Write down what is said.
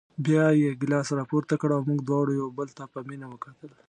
بیا یې ګیلاس راپورته کړ او موږ دواړو یو بل ته په مینه وکتل.